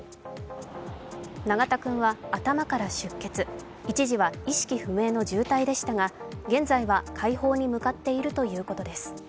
永田君は頭から出血、一時は意識不明の重体でしたが現在は快方に向かっているということです。